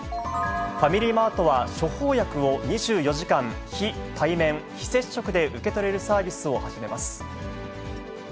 ファミリーマートは、処方薬を２４時間、非対面・非接触で受け取れるサービスを始めます。